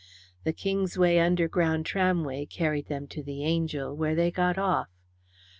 The Kingsway underground tramway carried them to the Angel, where they got off.